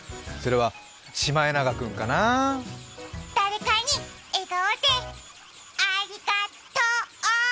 それは、シマエナガ君かなあ。